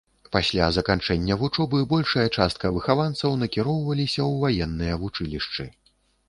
Пасля заканчэння вучобы большая частка выхаванцаў накіроўвалася ў ваенныя вучылішчы.